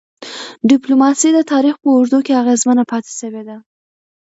ډيپلوماسي د تاریخ په اوږدو کي اغېزمنه پاتې سوی ده.